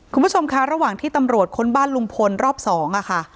คุณผู้ชมคะระหว่างที่ตำรวจค้นบ้านลุงพลรอบสองค่ะ